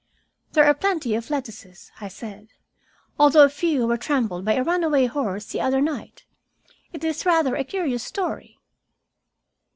"There are plenty of lettuces," I said, "although a few were trampled by a runaway horse the other night. It is rather a curious story."